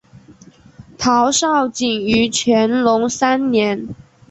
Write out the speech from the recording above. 陶绍景于乾隆三年。